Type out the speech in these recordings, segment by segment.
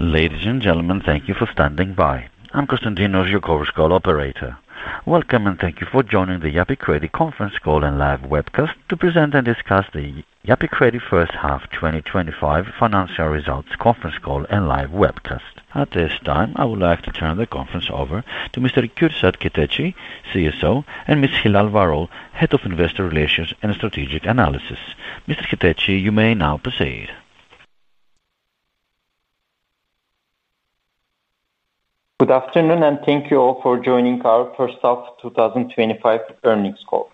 Ladies and gentlemen, thank you for standing by. I'm Kristian Dieners, your Coverage Call Operator. Welcome and thank you for joining the Yapı Kredi conference call and live webcast to present and discuss the Yapı Kredi First Half 2025 Financial Results conference call and live webcast. At this time, I would like to turn the conference over to Kürşad Keteçi, Chief Strategy Officer, and Ms. Hilal Varol, Head of Investor Relations and Strategic Analysis. Mr. Keteci, you may now proceed. Good afternoon and thank you all for joining our First Half 2025 earnings call.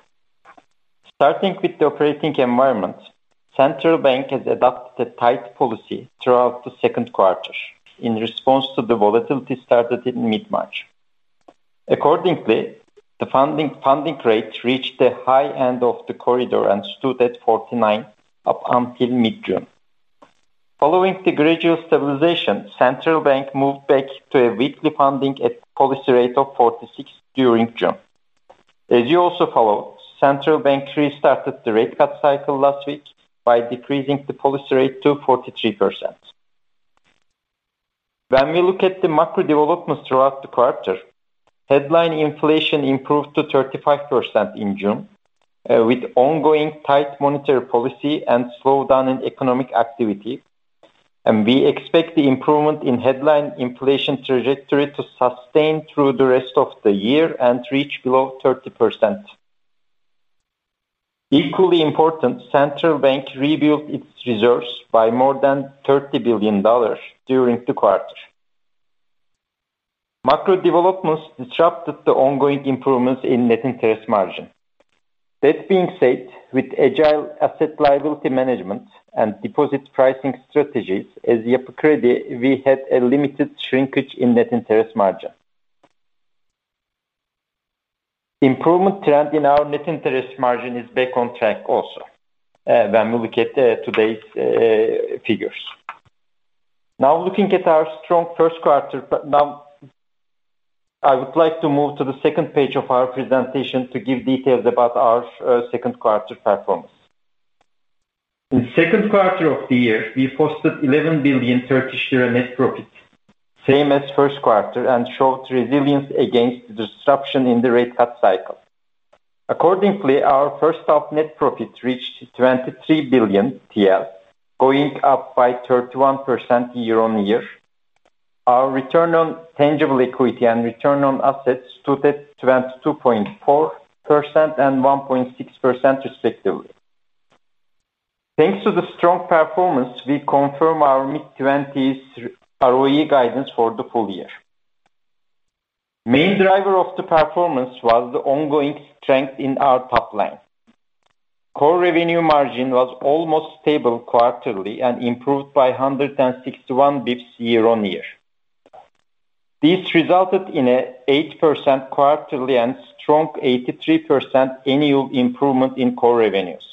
Starting with the operating environment, the Central Bank of the Republic of Turkey has adopted a tight policy throughout the second quarter in response to the volatility started in mid-March. Accordingly, the funding rate reached the high end of the corridor and stood at 49% up until mid-June. Following the gradual stabilization, the Central Bank of the Republic of Turkey moved back to a weekly funding at a policy rate of 46% during June. As you also followed, the Central Bank of the Republic of Turkey restarted the rate cut cycle last week by decreasing the policy rate to 43%. When we look at the macro developments throughout the quarter, headline inflation improved to 35% in June, with ongoing tight monetary policy and slowdown in economic activity. We expect the improvement in headline inflation trajectory to sustain through the rest of the year and reach below 30%. Equally important, the Central Bank of the Republic of Turkey rebuilt its reserves by more than $30 billion during the quarter. Macro developments disrupted the ongoing improvements in net interest margin. That being said, with agile asset-liability management and deposit pricing strategies, as Yapı ve Kredi Bankası A.Ş., we had a limited shrinkage in net interest margin. The improvement trend in our net interest margin is back on track also, when we look at today's figures. Now, looking at our strong first quarter, I would like to move to the second page of our presentation to give details about our second quarter performance. In the second quarter of the year, we posted 11 billion Turkish lira net profit, same as the first quarter, and showed resilience against disruption in the rate cut cycle. Accordingly, our first-half net profit reached 23 billion TL, going up by 31% year-on-year. Our Return On Tangible Equity and Return On Assets stood at 22.4% and 1.6% respectively. Thanks to the strong performance, we confirmed our mid-20s ROE guidance for the full year. The main driver of the performance was the ongoing strength in our top line. The core revenue margin was almost stable quarterly and improved by 161 basis points year-on-year. This resulted in an 8% quarterly and strong 83% annual improvement in core revenues.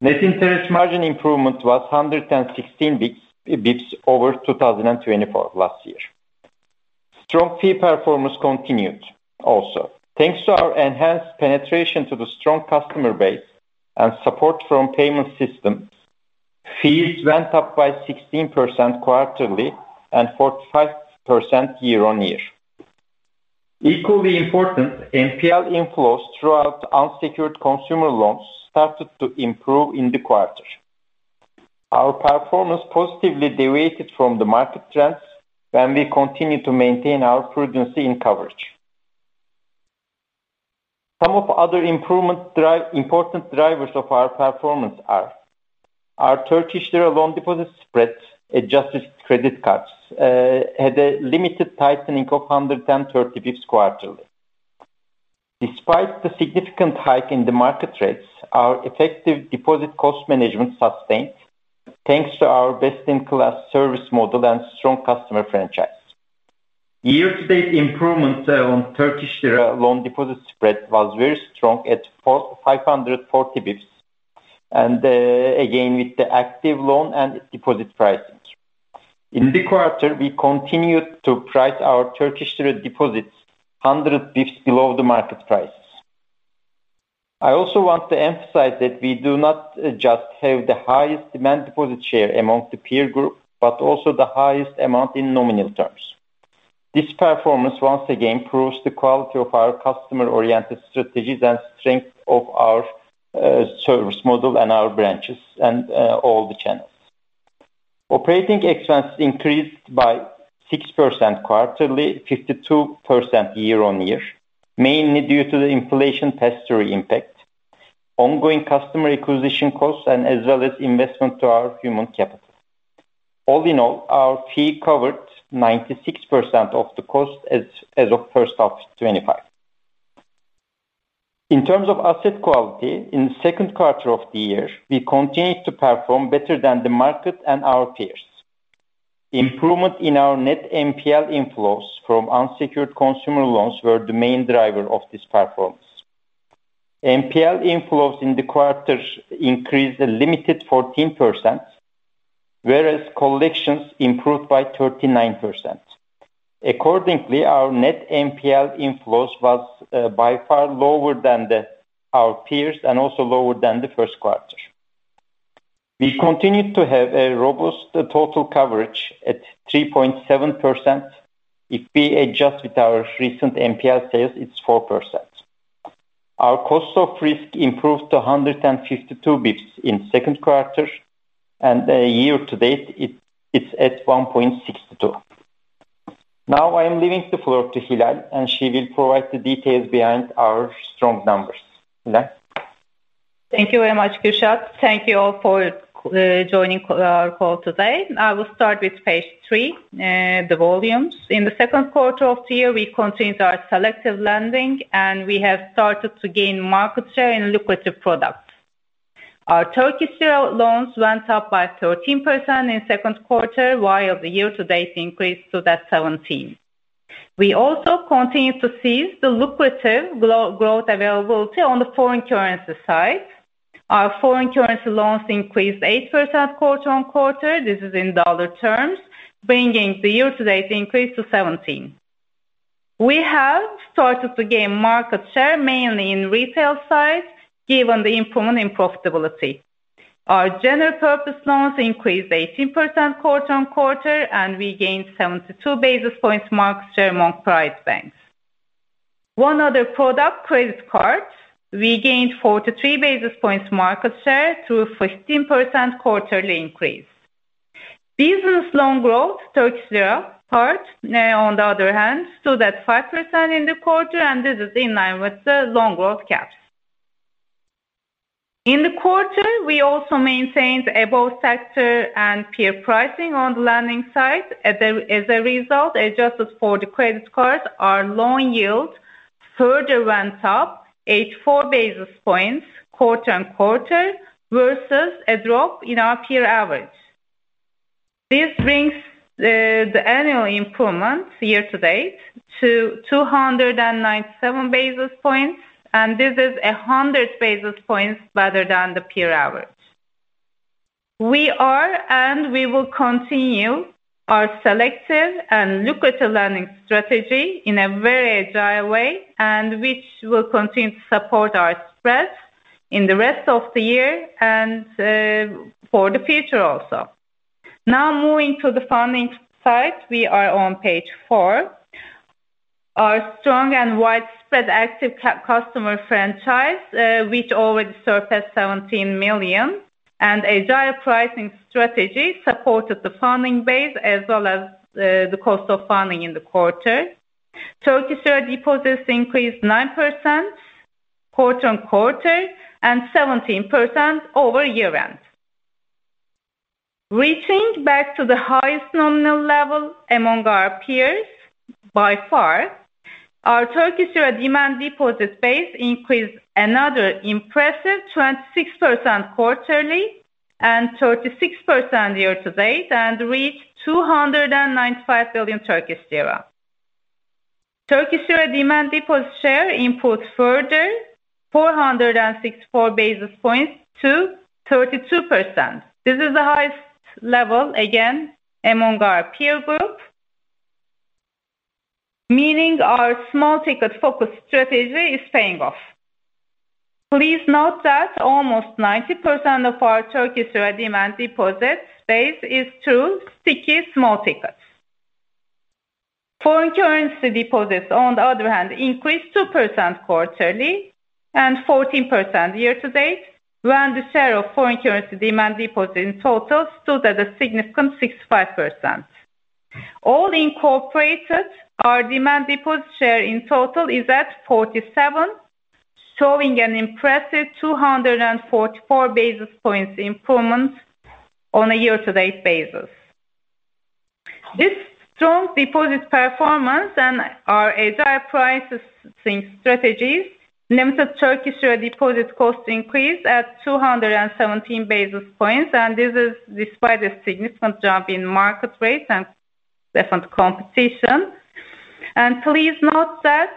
Net interest margin improvement was 116 basis points over 2024 last year. Strong fee performance continued also. Thanks to our enhanced penetration to the strong customer base and support from payment systems, fees went up by 16% quarterly and 45% year-on-year. Equally important, NPL inflows throughout unsecured consumer loans started to improve in the quarter. Our performance positively deviated from the market trends when we continued to maintain our prudency in coverage. Some of the other important drivers of our performance are our Turkish lira loan-deposit spreads adjusted to credit cards had a limited tightening of 130 bps quarterly. Despite the significant hike in the market rates, our effective deposit cost management sustained thanks to our best-in-class service model and strong customer franchise. Year-to-date improvements on Turkish lira loan deposit spreads were very strong at 540 bps, and again with the active loan and deposit pricing. In the quarter, we continued to price our Turkish lira deposits 100 bps below the market price. I also want to emphasize that we do not just have the highest demand deposit share among the peer group, but also the highest amount in nominal terms. This performance once again proves the quality of our customer-oriented strategies and the strength of our service model and our branches and all the channels. Operating expenses increased by 6% quarterly, 52% year-on-year, mainly due to the inflation pass-through impact, ongoing customer acquisition costs, and as well as investment to our human capital. All in all, our fee covered 96% of the costs as of first half 2025. In terms of asset quality, in the second quarter of the year, we continued to perform better than the market and our peers. Improvement in our net NPL inflows from unsecured consumer loans were the main driver of this performance. NPL inflows in the quarter increased a limited 14%, whereas collections improved by 39%. Accordingly, our net NPL inflows were by far lower than our peers and also lower than the first quarter. We continued to have a robust total coverage at 3.7%. If we adjust with our recent NPL sales, it's 4%. Our cost of risk improved to 152 bps in the second quarter, and year-to-date, it's at 1.62%. Now, I am leaving the floor to Hilal, and she will provide the details behind our strong numbers. Hilal? Thank you very much, Kürşad. Thank you all for joining our call today. I will start with page three, the volumes. In the second quarter of the year, we continued our selective lending, and we have started to gain market share in lucrative products. Our Turkish lira loans went up by 13% in the second quarter, while the year-to-date increased to 17%. We also continued to seize the lucrative growth availability on the foreign currency side. Our foreign currency loans increased 8% quarter-on-quarter. This is in dollar terms, bringing the year-to-date increase to 17%. We have started to gain market share mainly in the retail side, given the improvement in profitability. Our general purpose loans increased 18% quarter-on-quarter, and we gained 72 basis points market share among private banks. One other product, credit cards, we gained 43 basis points market share through a 15% quarterly increase. Business loan growth, Turkish lira cards, on the other hand, stood at 5% in the quarter, and this is in line with the loan growth caps. In the quarter, we also maintained above-sector and peer pricing on the lending side. As a result, adjusted for the credit cards, our loan yield further went up 84 basis points quarter-on-quarter versus a drop in our peer average. This brings the annual improvement year-to-date to 297 basis points, and this is 100 basis points better than the peer average. We are, and we will continue our selective and lucrative lending strategy in a very agile way, which will continue to support our spreads in the rest of the year and for the future also. Now, moving to the funding side, we are on page four. Our strong and widespread active customer franchise, which already surpassed 17 million, and agile pricing strategy supported the funding base as well as the cost of funding in the quarter. Turkish lira deposits increased 9% quarter-on-quarter and 17% over year-end. Reaching back to the highest nominal level among our peers by far, our Turkish lira demand deposit base increased another impressive 26% quarterly and 36% year-to-date and reached TRY 295 billion. Turkish lira demand deposit share improved further 464 basis points to 32%. This is the highest level again among our peer group, meaning our small ticket focus strategy is paying off. Please note that almost 90% of our Turkish lira demand deposit base is through sticky small tickets. Foreign currency deposits, on the other hand, increased 2% quarterly and 14% year-to-date, when the share of foreign currency demand deposit in total stood at a significant 65%. All incorporated, our demand deposit share in total is at 47%, showing an impressive 244 basis points improvement on a year-to-date basis. This strong deposit performance and our agile pricing strategies limited Turkish lira deposit cost increase at 217 basis points, and this is despite a significant jump in market rates and definite competition. Please note that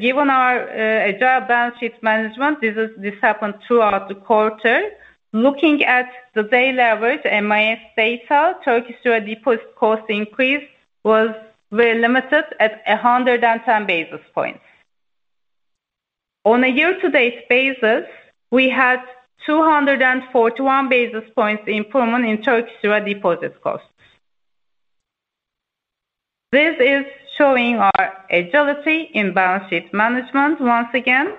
given our agile balance sheet management, this happened throughout the quarter. Looking at the daily average MIS data, Turkish lira deposit cost increase was very limited at 110 basis points. On a year-to-date basis, we had 241 basis points improvement in Turkish lira deposit costs. This is showing our agility in balance sheet management once again.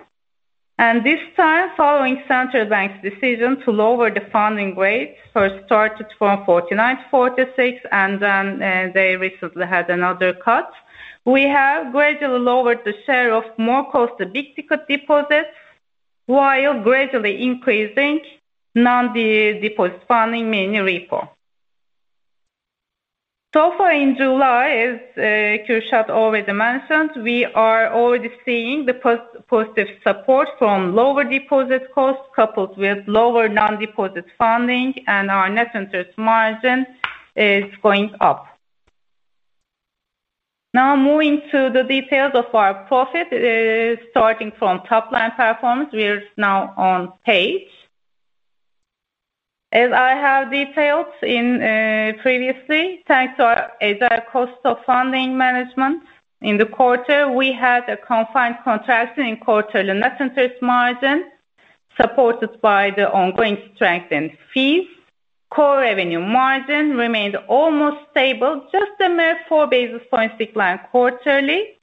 This time, following the Central Bank of the Republic of Turkey's decision to lower the funding rate, first started from 49% to 46%, and then they recently had another cut, we have gradually lowered the share of more costly big ticket deposits while gradually increasing non-deposit funding mainly repo. So far, in July, as Kürşad already mentioned, we are already seeing the positive support from lower deposit costs coupled with lower non-deposit funding, and our net interest margin is going up. Now, moving to the details of our profit, starting from top line performance, we are now on page. As I have detailed previously, thanks to our agile cost of funding management, in the quarter, we had a confined contraction in quarterly net interest margin supported by the ongoing strength in fees. Core revenue margin remained almost stable, just a mere four-basis-points declined quarterly,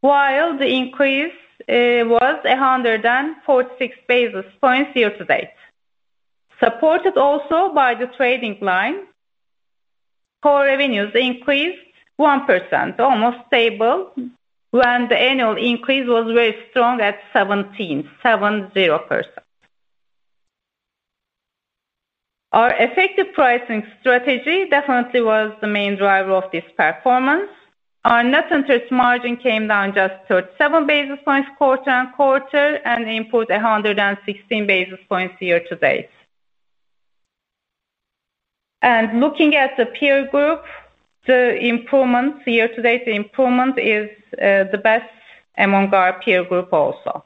while the increase was 146 basis points year-to-date. Supported also by the trading line, core revenues increased 1%, almost stable, when the annual increase was very strong at 17.70%. Our effective pricing strategy definitely was the main driver of this performance. Our net interest margin came down just 37 basis points quarter-on-quarter and improved 116 basis points year to date. Looking at the peer group, the improvement year-to-date, the improvement is the best among our peer group also.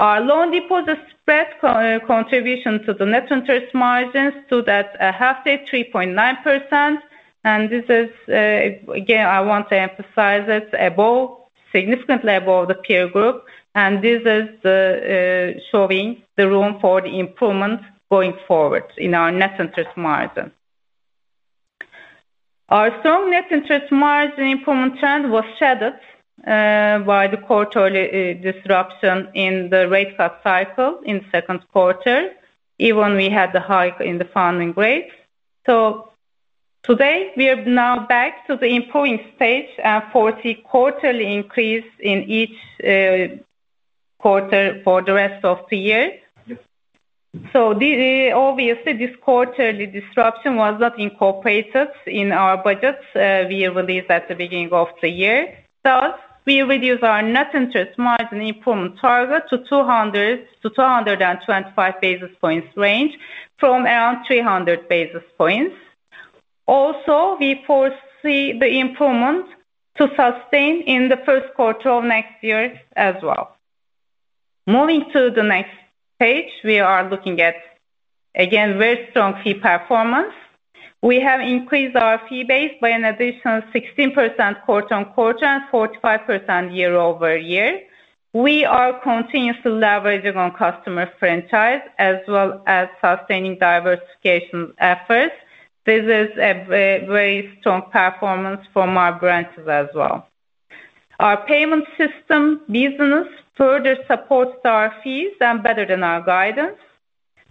Our loan deposit spread contribution to the net interest margin stood at a hefty 3.9%, and this is again, I want to emphasize it, significantly above the peer group, and this is showing the room for the improvement going forward in our net interest margin. Our strong net interest margin improvement trend was shattered by the quarterly disruption in the rate-cut cycle in the second quarter, even though we had the hike in the funding rates. Today, we are now back to the improving stage and foresee quarterly increase in each quarter for the rest of the year. Obviously, this quarterly disruption was not incorporated in our budget we released at the beginning of the year. Thus, we reduced our net interest margin improvement target to 200-225 basis points range from around 300 basis points. Also, we foresee the improvement to sustain in the first quarter of next year as well. Moving to the next page, we are looking at again very strong fee performance. We have increased our fee base by an additional 16% quarter on quarter and 45% year over year. We are continuously leveraging on customer franchise as well as sustaining diversification efforts. This is a very strong performance from our branches as well. Our payment system business further supports our fees and better than our guidance.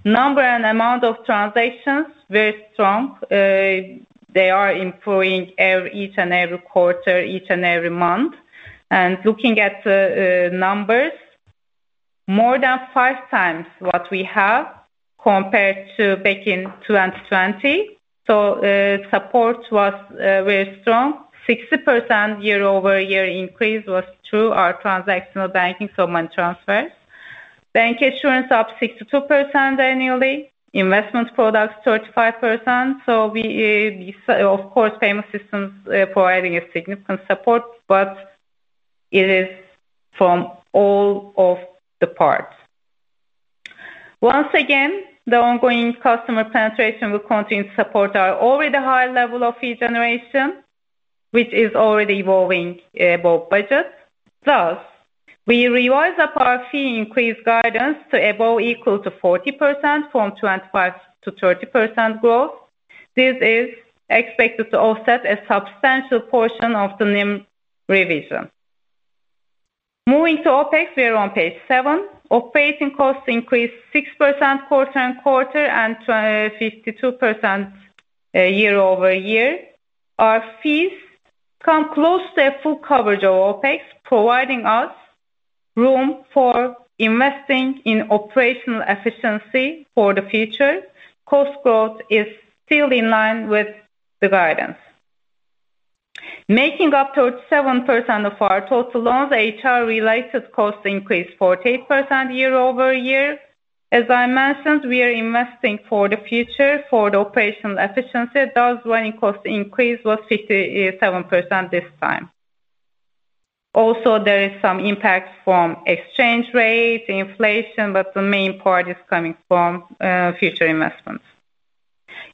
Number and amount of transactions are very strong. They are improving each and every quarter, each and every month. Looking at the numbers, more than five times what we have compared to back in 2020. Support was very strong. 60% year over year increase was through our transactional banking for money transfers. Bancassurance up 62% annually. Investment products 35%. Of course, payment systems providing a significant support, but it is from all of the parts. Once again, the ongoing customer penetration will continue to support our already high level of fee generation, which is already evolving above budget. Thus, we revised up our fee increase guidance to above equal to 40% from 25%-30% growth. This is expected to offset a substantial portion of the new revision. Moving to OpEx, we are on page seven. Operating costs increased 6% quarter-on-quarter and 52% year-over-year. Our fees come close to a full coverage of OpEx, providing us room for investing in operational efficiency for the future. Cost growth is still in line with the guidance. Making up 37% of our total loans, HR-related costs increased 48% year-over-year. As I mentioned, we are investing for the future for the operational efficiency. Thus, running cost increase was 57% this time. Also, there is some impact from exchange rate, inflation, but the main part is coming from future investments.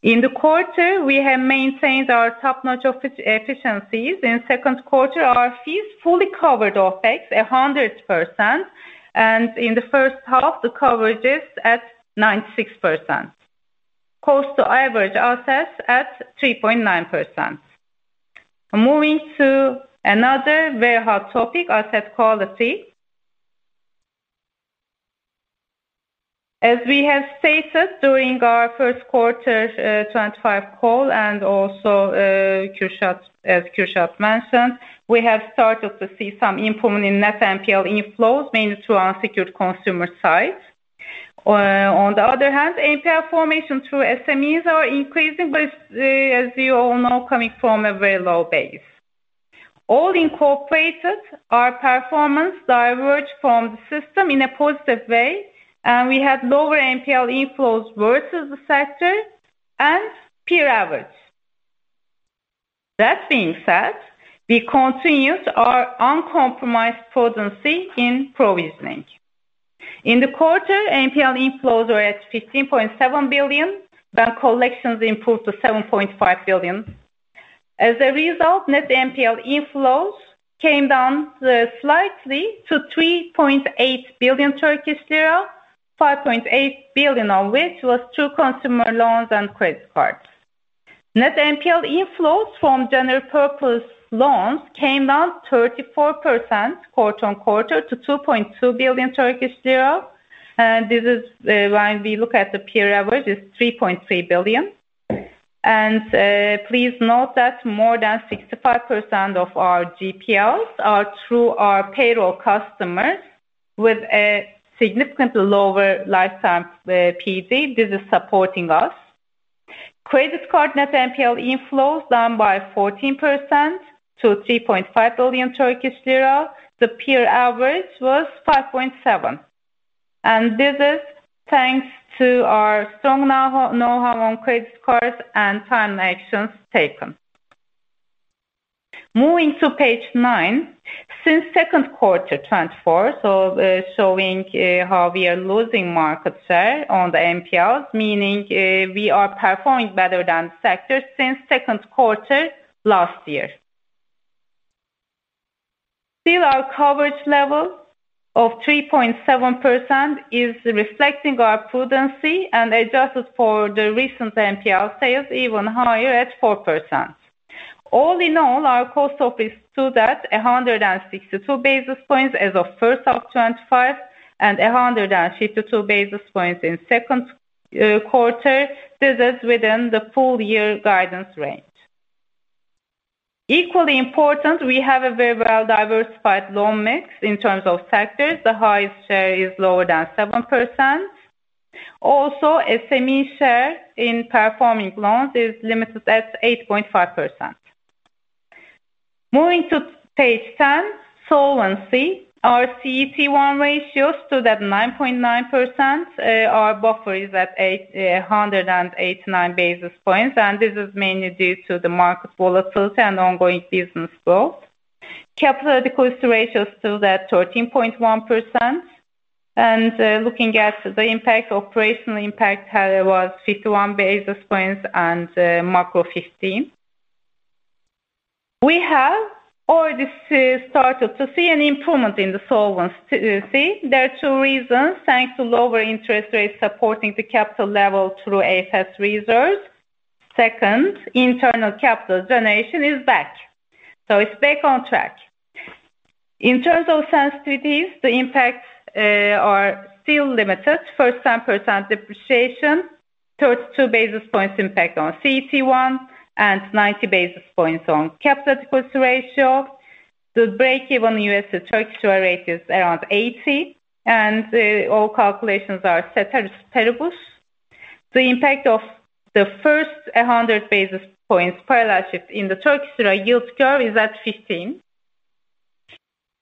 In the quarter, we have maintained our top-notch efficiencies. In the second quarter, our fees fully covered OpEx 100%, and in the first half, the coverage is at 96%. Cost-to-average assets at 3.9%. Moving to another very hot topic, asset quality. As we have stated during our first quarter 2025 call and also Kürşad, as Kürşad mentioned, we have started to see some improvement in net NPL inflows, mainly through unsecured consumer side. On the other hand, NPL formation through SMEs are increasing, but as you all know, coming from a very low base. All incorporated, our performance diverged from the system in a positive way, and we had lower NPL inflows versus the sector and peer average. That being said, we continued our uncompromised potency in provisioning. In the quarter, NPL inflows were at 15.7 billion, bank collections improved to 7.5 billion. As a result, net NPL inflows came down slightly to 3.8 billion Turkish lira, 5.8 billion of which was through consumer loans and credit cards. Net NPL inflows from general-purpose loans came down 34% quarter-on-quarter to 2.2 billion Turkish lira, and this is when we look at the peer average, it's 3.3 billion. Please note that more than 65% of our GPLs are through our payroll customers with a significantly lower lifetime PD. This is supporting us. Credit card net NPL inflows down by 14% to 3.5 billion Turkish lira. The peer average was 5.7 billion, and this is thanks to our strong know-how on credit cards and time actions taken. Moving to page nine, since second quarter 2024, so showing how we are losing market share on the NPLs, meaning we are performing better than the sector since second quarter last year. Still, our coverage level of 3.7% is reflecting our prudency and adjusted for the recent NPL sales even higher at 4%. All in all, our cost of risk stood at 162 basis points as of first half 2025 and 152 basis points in second quarter. This is within the full year guidance range. Equally important, we have a very well-diversified loan mix in terms of sectors. The highest share is lower than 7%. Also, SME share in performing loans is limited at 8.5%. Moving to page 10, solvency, our CET1 ratio stood at 9.9%. Our buffer is at 189 basis points, and this is mainly due to the market volatility and ongoing business growth. Capital adequacy ratio stood at 13.1%, and looking at the impact, operational impact was 51 basis points and macro 15. We have already started to see an improvement in the solvency. There are two reasons, thanks to lower interest rates supporting the capital level through AFS reserves. Second, internal capital generation is back. It's back on track. In terms of sensitivities, the impacts are still limited. First, 7% depreciation, 32 basis points impact on CET1, and 90 basis points on capital adequacy ratio. The break-even U.S. to Turkish lira rate is around 80, and all calculations are set as paribus. The impact of the first 100 basis points parallel shift in the Turkish lira yield curve is at 15.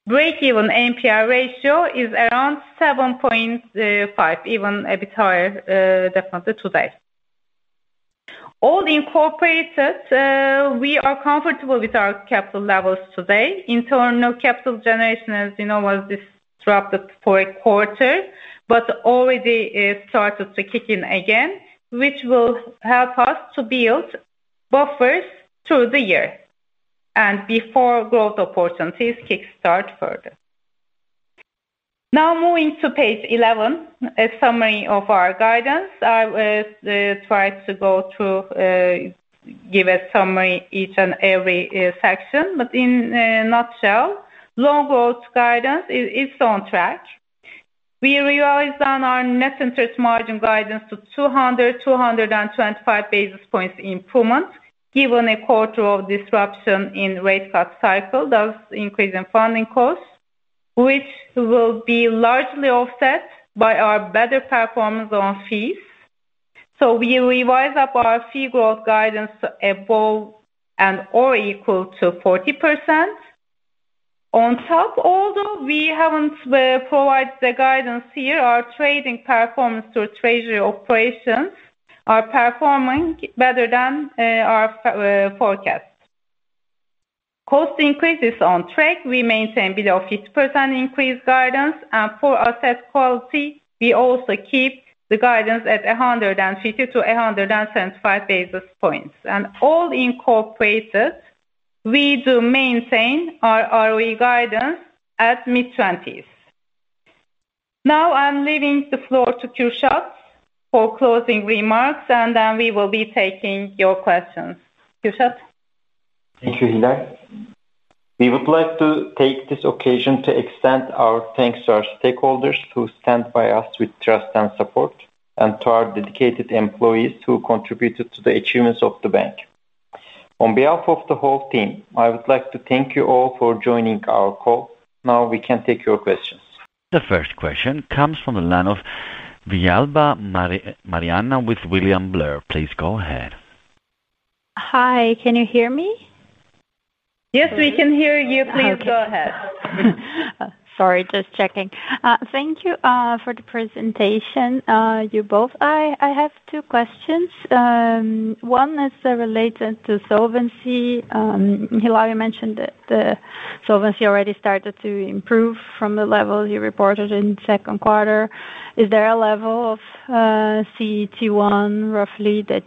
Break-even NPL ratio is around 7.5, even a bit higher definitely today. All incorporated, we are comfortable with our capital levels today. Internal capital generation, as you know, was disrupted for a quarter, but already started to kick in again, which will help us to build buffers through the year and before growth opportunities kickstart further. Now, moving to page 11, a summary of our guidance. I will try to go through, give a summary each and every section, but in a nutshell, long-haul guidance is on track. We realized that our net interest margin guidance to 200-225 basis points improvement, given a quarter of disruption in rate cut cycle, does increase in funding costs, which will be largely offset by our better performance on fees. We revised up our fee growth guidance to above and/or equal to 40%. On top, although we haven't provided the guidance here, our trading performance through treasury operations are performing better than our forecast. Cost increases on track, we maintain below 50% increase guidance, and for asset quality, we also keep the guidance at 150 to 175 basis points. All incorporated, we do maintain our ROE guidance at mid-20s. Now, I'm leaving the floor to Kürşad for closing remarks, and then we will be taking your questions. Kürşad. Thank you, Hilal. We would like to take this occasion to extend our thanks to our stakeholders who stand by us with trust and support, and to our dedicated employees who contributed to the achievements of the bank. On behalf of the whole team, I would like to thank you all for joining our call. Now, we can take your questions. The first question from Mariana Villalba with William Blair. Please go ahead. Hi, can you hear me? Yes, we can hear you. Please go ahead. Thank you for the presentation, you both. I have two questions. One is related to solvency. Hilal, you mentioned that the solvency already started to improve from the level you reported in the second quarter. Is there a level of CET1 roughly that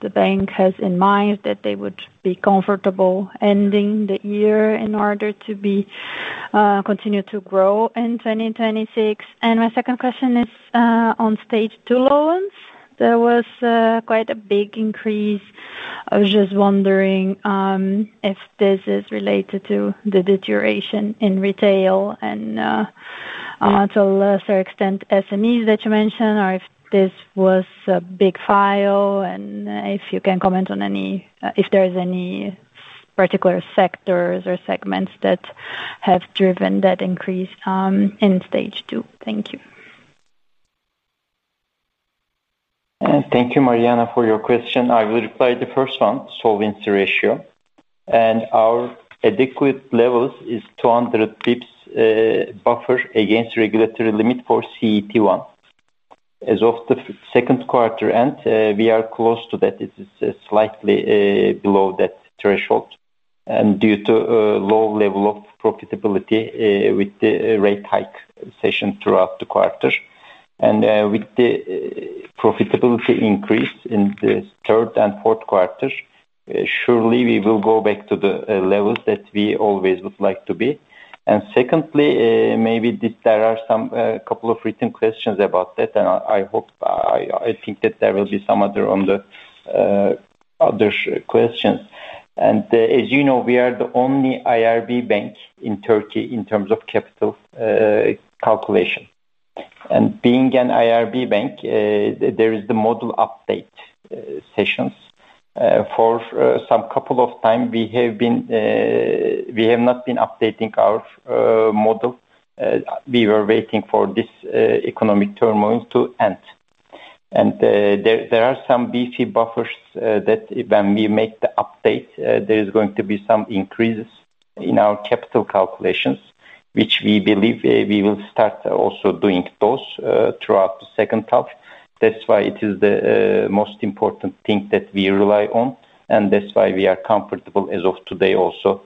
the bank has in mind that they would be comfortable ending the year in order to continue to grow in 2026? My second question is on stage two loans. There was quite a big increase. I was just wondering if this is related to the deterioration in retail and to a lesser extent SMEs that you mentioned, or if this was a big file, and if you can comment on any, if there are any particular sectors or segments that have driven that increase in stage two. Thank you. Thank you, Mariana, for your question. I will reply to the first one, solvency ratio. Our adequate levels is 200 basis points buffer against regulatory limit for Common Equity Tier 1 (CET1). As of the second quarter end, we are close to that. It is slightly below that threshold, and due to a low level of profitability with the rate hike session throughout the quarter, and with the profitability increase in the third and fourth quarter, surely we will go back to the levels that we always would like to be. Secondly, maybe there are a couple of written questions about that, and I hope, I think that there will be some other questions. As you know, we are the only IRB bank in Turkey in terms of capital calculation. Being an IRB bank, there is the model update sessions. For some couple of times, we have not been updating our model. We were waiting for this economic turmoil to end. There are some basis points buffers that when we make the update, there is going to be some increases in our capital calculations, which we believe we will start also doing those throughout the second half. That's why it is the most important thing that we rely on, and that's why we are comfortable as of today also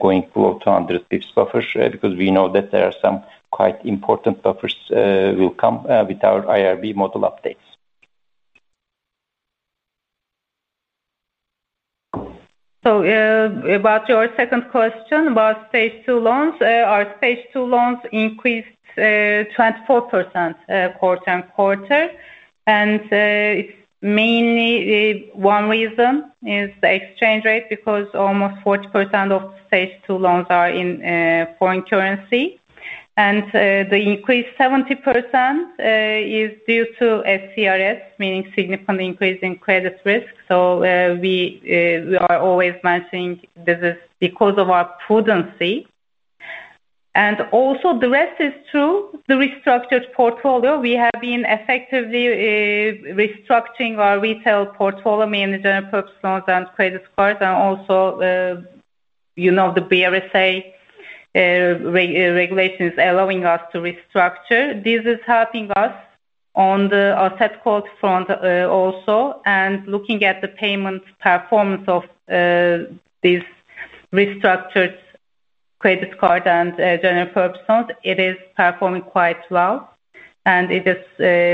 going below 200 basis points buffers, because we know that there are some quite important buffers that will come with our IRB model updates. About your second question about stage two loans, our stage two loans increased 24% quarter-on-quarter. Mainly, one reason is the exchange rate, because almost 40% of the stage two loans are in foreign currency. The increase 70% is due to SICR, meaning significant increase in credit risk. We are always mentioning this is because of our prudency. Also, the rest is true. The restructured portfolio, we have been effectively restructuring our retail portfolio, mainly general purpose loans and credit cards, and also, you know, the BRSA regulation is allowing us to restructure. This is helping us on the asset quality front also, and looking at the payment performance of these restructured credit cards and general purpose loans, it is performing quite well, and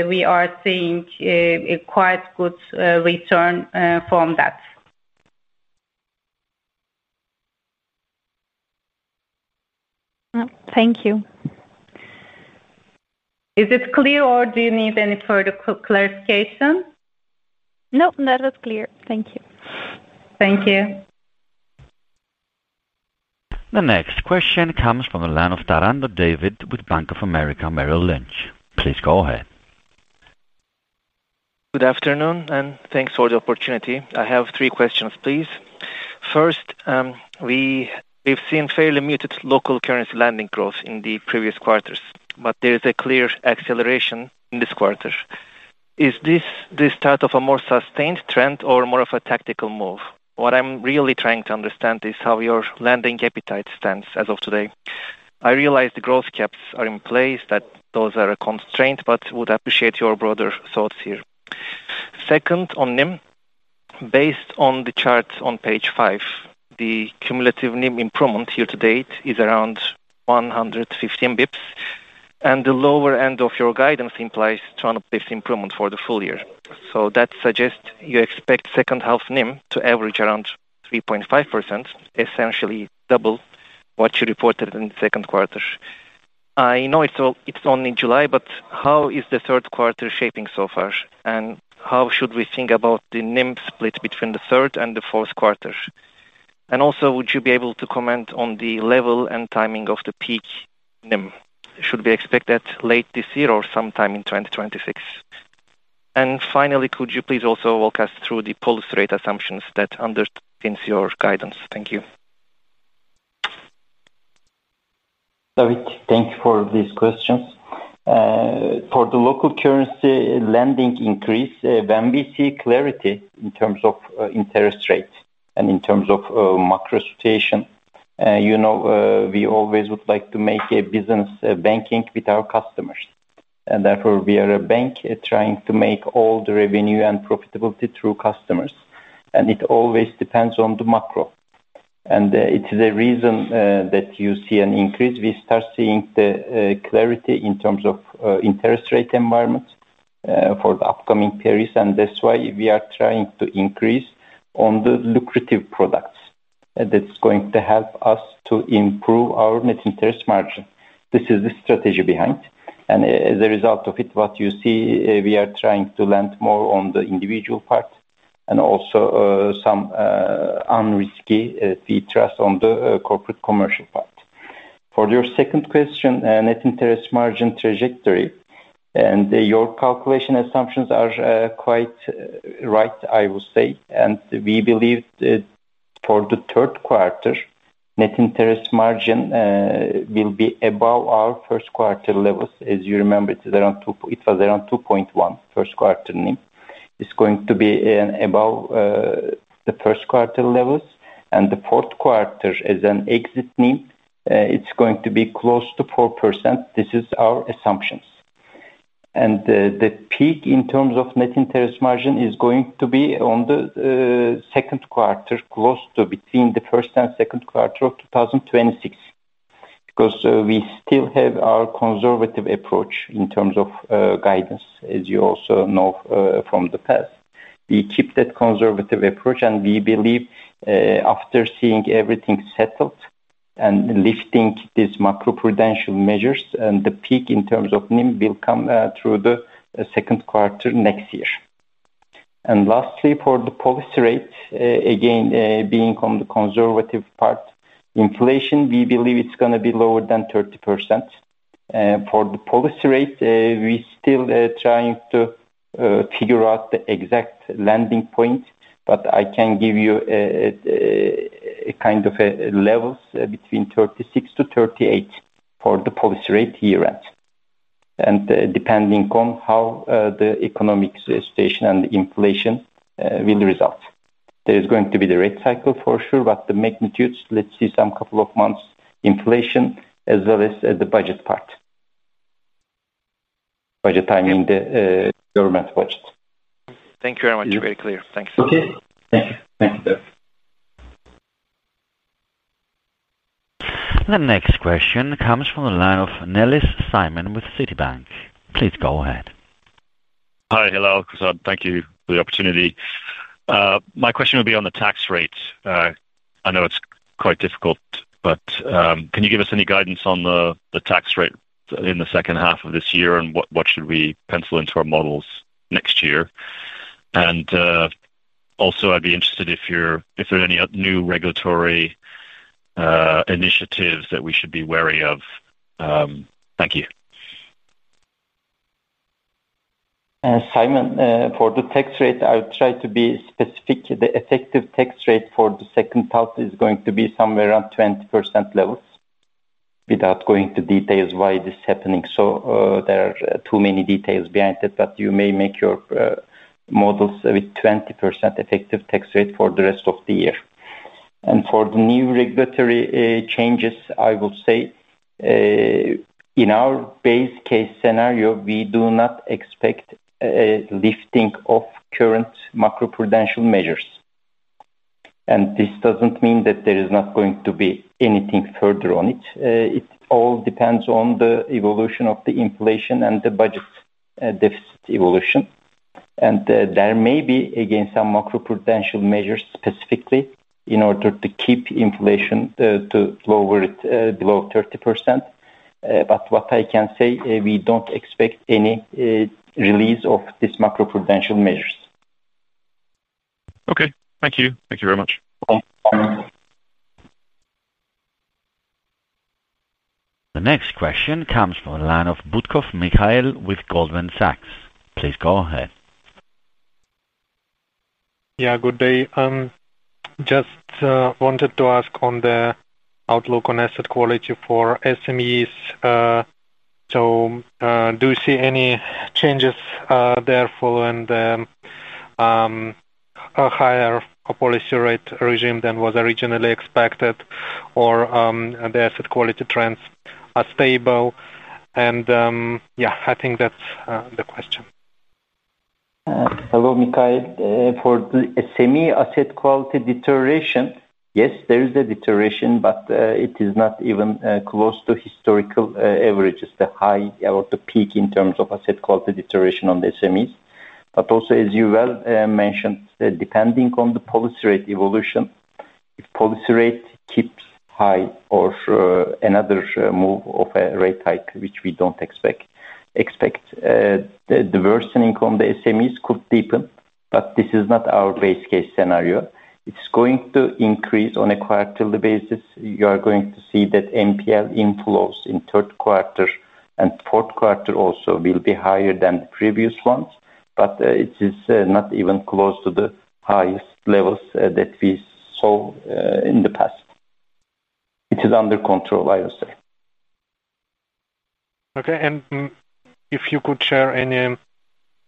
we are seeing a quite good return from that. Thank you. Is it clear, or do you need any further clarifications? No, that was clear. Thank you. Thank you. The next question comes David Taranto with Bank of America Merrill Lynch. Please go ahead. Good afternoon, and thanks for the opportunity. I have three questions, please. First, we've seen fairly muted local-currency lending growth in the previous quarters, but there is a clear acceleration in this quarter. Is this the start of a more sustained trend or more of a tactical move? What I'm really trying to understand is how your lending appetite stands as of today. I realize the growth-caps are in place, that those are a constraint, but would appreciate your broader thoughts here. Second, on NIM, based on the chart on page five, the cumulative NIM improvement year-to-date is around 115 bps, and the lower end of your guidance implies 200 bps improvement for the full year. That suggests you expect second-half NIM to average around 3.5%, essentially double what you reported in the second quarter. I know it's only July, but how is the third quarter shaping so far, and how should we think about the NIM split between the third and the fourth quarter? Also, would you be able to comment on the level and timing of the peak NIM? Should we expect that late this year or sometime in 2026? Finally, could you please also walk us through the policy rate assumptions that underpin your guidance? Thank you. David, thank you for these questions. For the local currency lending increase, when we see clarity in terms of interest rate and in terms of macro situation, you know, we always would like to make a business banking with our customers. Therefore, we are a bank trying to make all the revenue and profitability through customers, and it always depends on the macro. It is a reason that you see an increase. We start seeing the clarity in terms of interest rate environment for the upcoming periods, and that's why we are trying to increase on the lucrative products. That's going to help us to improve our net interest margin. This is the strategy behind, and as a result of it, what you see, we are trying to lend more on the individual part and also some unrisky fee trust on the corporate commercial part. For your second question, net interest margin trajectory, your calculation assumptions are quite right, I would say, and we believe that for the third quarter, net interest margin will be above our first quarter levels. As you remember, it was around 2.1. First quarter NIM is going to be above the first quarter levels, and the fourth quarter as an exit NIM, it's going to be close to 4%. This is our assumptions. The peak in terms of net interest margin is going to be on the second quarters, close to between the first and second quarter of 2026, because we still have our conservative approach in terms of guidance. As you also know from the past, we keep that conservative approach, and we believe after seeing everything settled and lifting these macroprudential measures, the peak in terms of NIM will come through the second quarter next year. Lastly, for the policy rate, again, being on the conservative part, inflation, we believe it's going to be lower than 30%. For the policy rate, we still are trying to figure out the exact landing point, but I can give you a kind of levels between 36 to 38 for the policy rate year-end, depending on how the economic situation and the inflation will result. There is going to be the rate cycle for sure, but the magnitudes, let's see some couple of months inflation as well as the budget part. Budget, I mean the government budget. Thank you very much. Very clear. Thanks. Okay. Thank you. Thank you, sir. The next question comes from the line of Simon Nellis with Citigroup. Please go ahead. Hi, hello, Kürşad. Thank you for the opportunity. My question would be on the tax rate. I know it's quite difficult, but can you give us any guidance on the tax rate in the second half of this year and what should we pencil into our models next year? Also, I'd be interested if there are any new regulatory initiatives that we should be wary of. Thank you. Simon, for the tax rate, I would try to be specific. The effective tax rate for the second half is going to be somewhere around 20% levels. Without going into details why this is happening, there are too many details behind it, but you may make your models with 20% effective tax rate for the rest of the year. For the new regulatory changes, I will say in our base case scenario, we do not expect a lifting of current macroprudential measures. This doesn't mean that there is not going to be anything further on it. It all depends on the evolution of the inflation and the budget deficit evolution. There may be, again, some macroprudential measures specifically in order to keep inflation to lower it below 30%, but what I can say, we don't expect any release of these macroprudential measures. Okay, thank you. Thank you very much. The next question comes from Mikhail Butkov with Goldman Sachs. Please go ahead. Good day. Just wanted to ask on the outlook on asset quality for SMEs. Do you see any changes there following the higher policy rate regime than was originally expected, or the asset quality trends are stable? I think that's the question. Hello, Mikhail. For the SME asset quality deterioration, yes, there is a deterioration, but it is not even close to historical averages, the high or the peak in terms of asset quality deterioration on the SMEs. Also, as you well mentioned, depending on the policy rate evolution, if policy rate keeps high or another move of a rate hike, which we don't expect, the worsening on the SMEs could deepen, but this is not our base case scenario. It's going to increase on a quarterly basis. You are going to see that NPL inflows in third quarter and fourth quarter also will be higher than previous ones, but it is not even close to the highest levels that we saw in the past. It is under control, I would say. Okay. If you could share any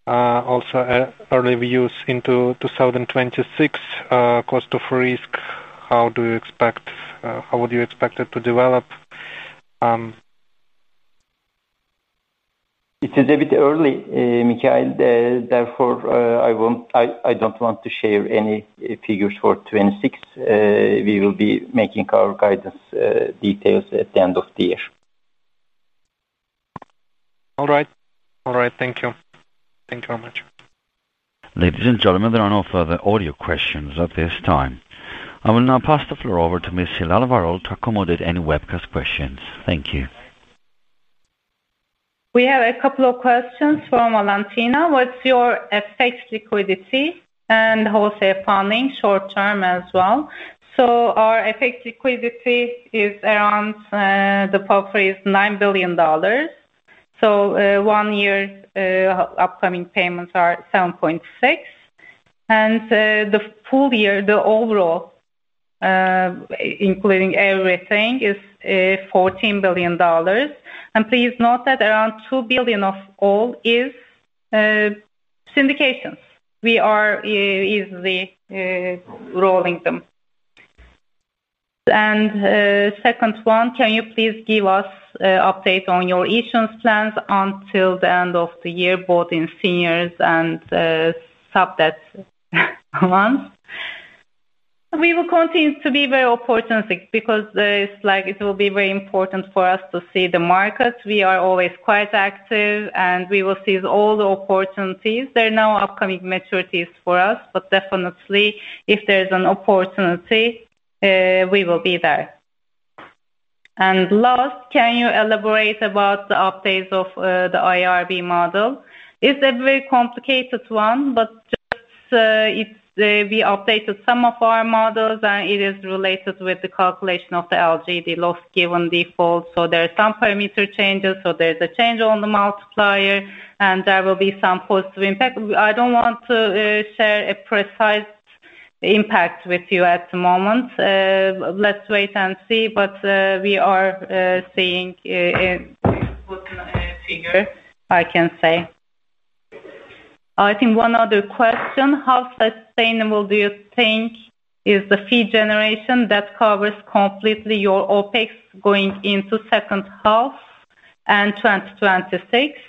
also early views into 2026, cost of risk, how do you expect, how would you expect it to develop? It is a bit early, Mikhail. Therefore, I don't want to share any figures for 2026. We will be making our guidance details at the end of the year. All right. Thank you. Thank you very much. Ladies and gentlemen, we're going to offer the audio questions at this time. I will now pass the floor over to Ms. Hilal Varol to accommodate any webcast questions. Thank you. We have a couple of questions from Valentina. What's your FX liquidity and wholesale funding short term as well? Our FX liquidity is around the buffer is TRY 9 billion. One year, upcoming payments are 7.6 billion. The full year, the overall, including everything, is TRY 14 billion. Please note that around 2 billion of all is syndications. We are easily rolling them. The second one, can you please give us an update on your issuance plans until the end of the year, both in seniors and sub-debts ones? We will continue to be very opportunistic because it will be very important for us to see the markets. We are always quite active, and we will seize all the opportunities. There are no upcoming maturities for us, but definitely, if there is an opportunity, we will be there. Last, can you elaborate about the updates of the IRB model? It's a very complicated one, but just we updated some of our models, and it is related with the calculation of the LGD loss given default. There are some parameter changes, so there's a change on the multiplier, and there will be some positive impact. I don't want to share a precise impact with you at the moment. Let's wait and see, but we are seeing a figure I can say. I think one other question, how sustainable do you think is the fee generation that covers completely your OpEx going into second half and 2026?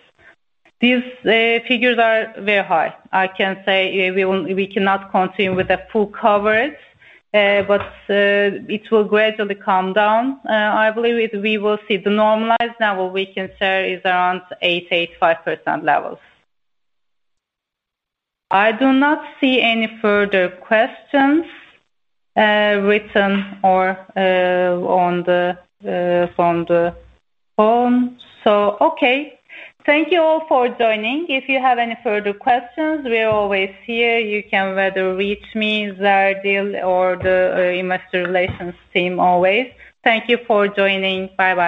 These figures are very high. I can say we cannot continue with the full coverage, but it will gradually come down. I believe we will see the normalized level we can share is around 80-85% levels. I do not see any further questions written or on the phone. Okay. Thank you all for joining. If you have any further questions, we are always here. You can either reach me, Zardil, or the investor relations team always. Thank you for joining. Bye-bye.